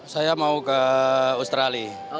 saya mau ke australia